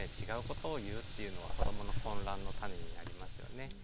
違うことを言うっていうのは子どもの混乱の種になりますよね。